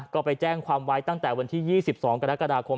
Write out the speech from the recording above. ก็ไปแจ้งความไว้ตั้งแต่วันที่๒๒กรกฎาคม